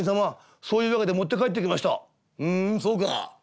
「うんそうか。